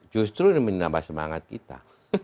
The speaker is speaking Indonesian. justru ini menambah semangat kita